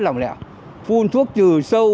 lòng lẹo phun thuốc trừ sâu